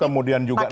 kemudian juga nanti